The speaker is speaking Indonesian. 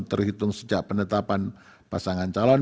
terhitung sejak penetapan pasangan calon